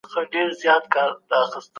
بې علمه ټولنه هيڅکله پرمختګ نه سي کولای.